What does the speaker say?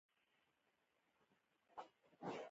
آیا کاناډا د سپورت اقتصاد نلري؟